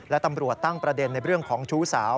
และตำรวจตั้งประเด็นในเรื่องของชู้สาว